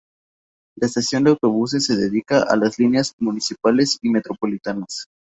La estación de autobuses se dedica a las líneas municipales y metropolitanas.